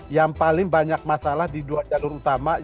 yang paling banyak masalah di dua jalur utama